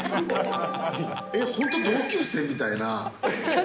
本当、同級生？みたいな。